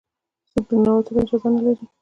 څوک د ننوتلو اجازه نه لري.